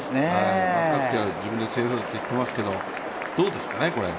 香月は自分でセーフと言ってますけど、どうですかね。